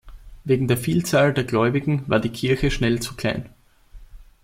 Wegen der Vielzahl der Gläubigen war die Kirche schnell zu klein.